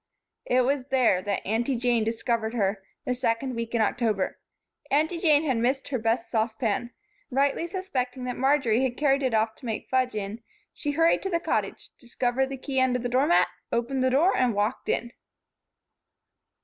It was there that Aunty Jane discovered her, the second week in October. Aunty Jane had missed her best saucepan. Rightly suspecting that Marjory had carried it off to make fudge in, she hurried to the Cottage, discovered the key under the door mat, opened the door and walked in.